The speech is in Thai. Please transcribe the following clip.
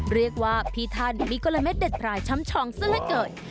เรียกว่าพี่ท่านมีกลมเด็ดพลายช้ำชองซะละเกิน